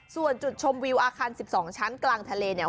ส่วนจุดชมวิวอาคาร๑๒ชั้นกลางทะเลเนี่ย